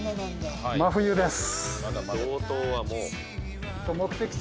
真冬です。